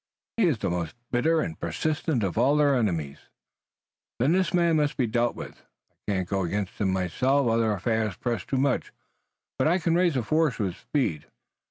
He is the most bitter and persistent of all our enemies." "Then this man must be dealt with. I can't go against him myself. Other affairs press too much, but I can raise a force with speed."